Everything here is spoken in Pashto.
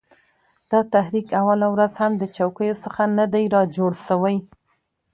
دا تحریک اوله ورځ هم د چوکیو څخه نه دی را جوړ سوی